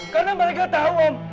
karena mereka tau om